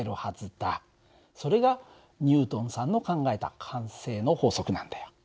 それがニュートンさんの考えた慣性の法則なんだよ。